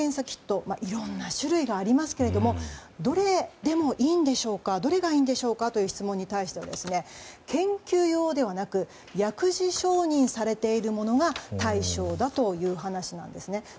キットいろいろな種類がありますけどどれでもいいんでしょうかどれがいいんでしょうかという質問に対しては研究用ではなく薬事承認されているものが対象だという話なんですね。